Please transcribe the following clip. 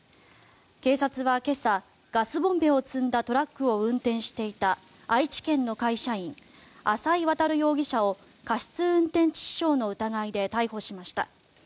警察は今朝、ガスボンベを積んだトラックを運転していた愛知県の会社員浅井渉容疑者を過失運転致死傷の疑いで逮捕しました。